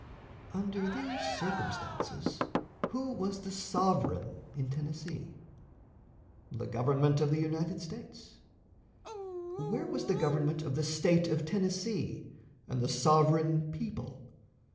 Under these circumstances, who was the sovereign in Tennessee? The Government of the United States. Where was the government of the State of Tennessee and the sovereign people?